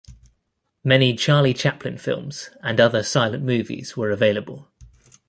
Many Charlie Chaplin films, and other silent movies were available.